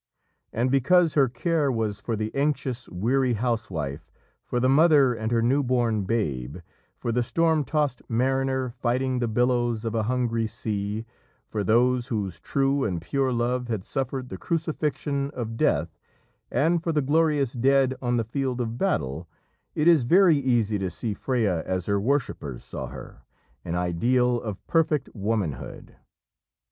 And because her care was for the anxious, weary housewife, for the mother and her new born babe, for the storm tossed mariner, fighting the billows of a hungry sea, for those whose true and pure love had suffered the crucifixion of death, and for the glorious dead on the field of battle, it is very easy to see Freya as her worshippers saw her an ideal of perfect womanhood.